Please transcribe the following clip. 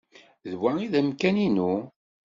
D wa ay d amkan-inu.